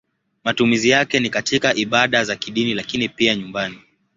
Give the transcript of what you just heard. Matumizi yake ni katika ibada za kidini lakini pia nyumbani.